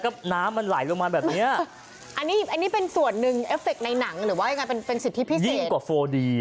ของการดูหนังเรื่องนี้หรอคะ